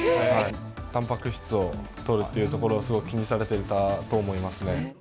たんぱく質をとるっていうところを、すごく気にされていたと思いますね。